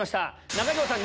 中条さん